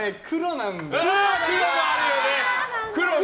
黒もあるよね！